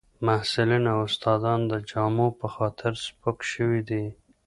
محصلین او استادان د جامو په خاطر سپک شوي دي